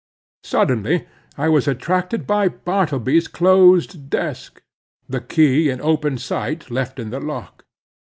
Suddenly I was attracted by Bartleby's closed desk, the key in open sight left in the lock.